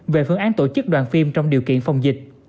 về phương án tổ chức đoàn phim trong điều kiện phòng dịch